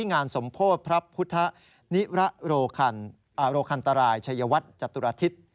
การสมโพธพระพุทธนิรโรคันตรายชัยวัตรจตุลอาทิตย์